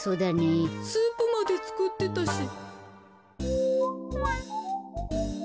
スープまでつくってたし。